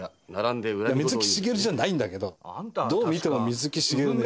水木しげるじゃないんだけどどう見ても水木しげるで。